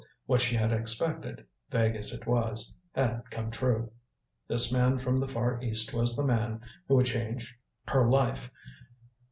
What she had expected vague as it was had come true. This man from the Far East was the man who would change her life.